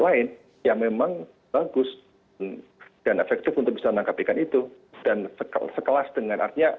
lain yang memang bagus dan efektif untuk bisa menangkap ikan itu dan sekelas dengan artinya